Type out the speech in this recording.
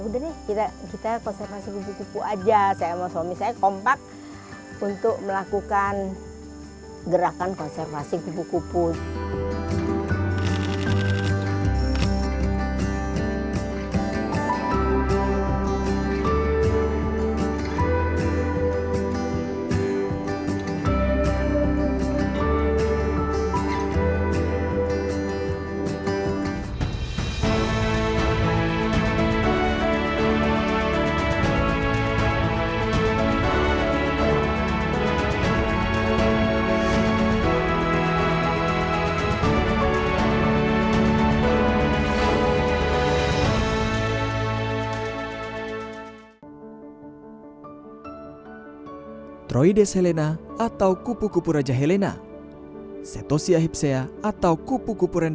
udah deh kita konservasi kupu kupu aja saya sama suami saya kompak untuk melakukan gerakan konservasi kupu kupu